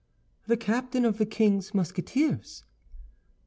"The captain of the king's Musketeers."